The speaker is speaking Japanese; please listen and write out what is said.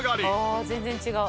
ああ全然違う。